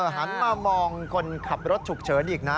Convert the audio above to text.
หันมามองคนขับรถฉุกเฉินอีกนะ